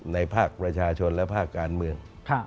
ภาคประชาชนและภาคการเมือง